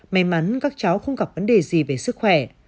may mắn các cháu không gặp vấn đề gì về sức khỏe